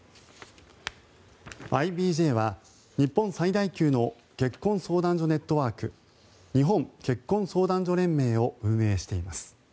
ＩＢＪは、日本最大級の結婚相談所ネットワーク日本結婚相談所連盟を運営しています。